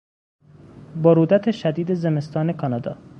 برودت شدید زمستان کانادا